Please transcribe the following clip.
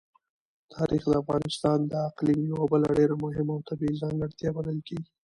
تاریخ د افغانستان د اقلیم یوه بله ډېره مهمه او طبیعي ځانګړتیا بلل کېږي.